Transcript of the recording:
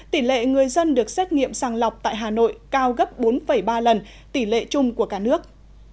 tỷ lệ người dân được xét nghiệm sàng lọc tại hà nội cao gấp bốn ba lần tỷ lệ chung của cả nước